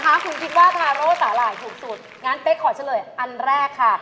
ถ้าคุณคิดว่าทาโร่สาหร่ายถูกสุดงั้นเป๊กขอเฉลยอันแรกค่ะ